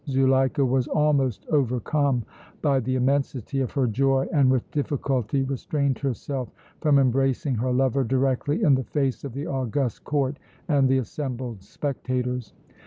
Zuleika was almost overcome by the immensity of her joy and with difficultly restrained herself from embracing her lover directly in the face of the august Court and the assembled spectators.